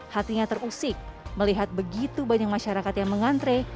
hatinya terusik melihat begitu banyak masyarakat yang mengantre